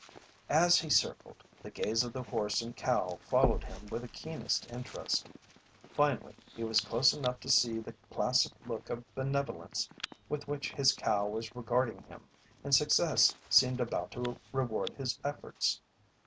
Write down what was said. As he circled, the gaze of the horse and cow followed him with the keenest interest. Finally he was close enough to see the placid look of benevolence with which his cow was regarding him and success seemed about to reward his efforts.